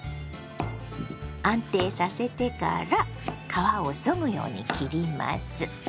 安定させてから皮をそぐように切ります。